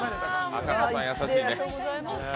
赤楚さん優しいね。